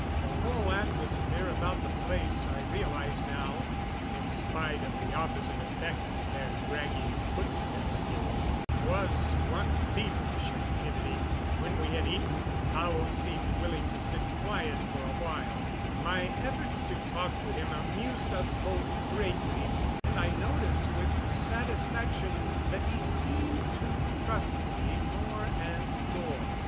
The whole atmosphere about the place, I realized now, in spite of the opposite effect their dragging footsteps gave, was one of feverish activity. When we had eaten Tao seemed willing to sit quiet for a while. My efforts to talk to him amused us both greatly, and I noticed with satisfaction that he seemed to trust me more and more.